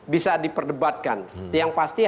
tidak diperdebatkan yang pasti